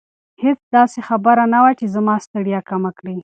هیڅ داسې خبره نه وه چې زما ستړیا کمه کړي.